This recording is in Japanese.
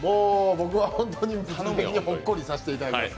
僕は物理的にほっこりさせていただきます。